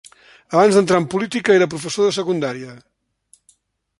Abans d'entrar en política era professor de secundària.